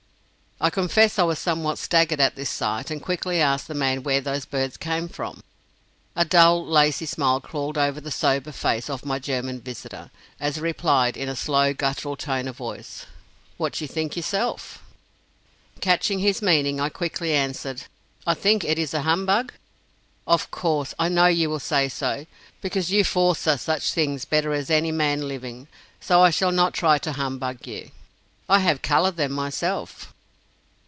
I confess I was somewhat staggered at this sight, and quickly asked the man where those birds came from. A dull, lazy smile crawled over the sober face of my German visitor, as he replied in a slow, guttural tone of voice: "What you think yourself?" Catching his meaning, I quickly answered: "I think it is a humbug?" "Of course, I know you will say so; because you 'forstha' such things better as any man living, so I shall not try to humbug you. I have color them myself."